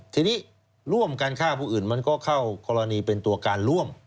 ทีนี้ร่วมกันฆ่าผู้อื่นมันก็เข้ากรณีเป็นตัวการร่วม